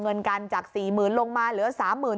เงินกันจาก๔๐๐๐๐ลงมาเหลือ